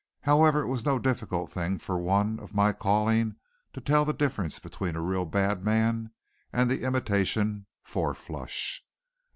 However, it was no difficult thing for one of my calling to tell the difference between a real bad man and the imitation "four flush."